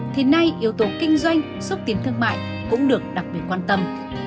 thì nay yếu tố kinh doanh xúc tiến thương mại cũng được đặc biệt quan tâm